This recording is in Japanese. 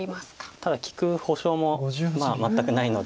ただ利く保証も全くないので。